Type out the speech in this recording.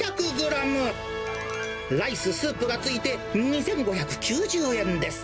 ライス、スープが付いて２５９０円です。